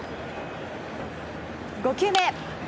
５球目。